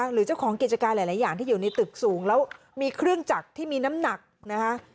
หรือเจ้าของกิจการหลายอย่างที่อยู่ในตึกสูงแล้วมีเครื่องจักรที่มีน้ำหนักนะคะ